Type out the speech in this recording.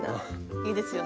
いいですよね。